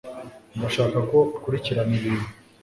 Ndashaka ko ukurikirana ibintu